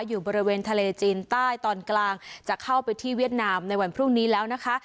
อยู่บริเวณทะเลจีนใต้ตอนกลางจะเข้าไปที่เวียดนามในวันพรุ่งนี้แล้วนะคะ